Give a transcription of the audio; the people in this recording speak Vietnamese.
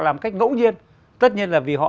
làm cách ngẫu nhiên tất nhiên là vì họ